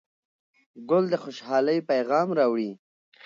ګل د خوشحالۍ پیغام راوړي.